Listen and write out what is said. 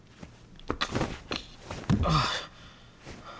ああ。